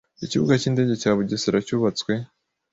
Ikibuga cy’Indege cya Bugesera cyubatswe